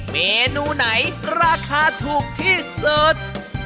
เมนูไหนราคาถูกที่สุด